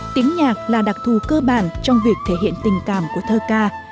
tiếng nhạc là đặc thù cơ bản trong việc thể hiện tình cảm của thơ ca